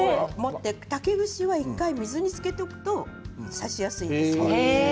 竹串は１回、水につけておくと刺しやすいです。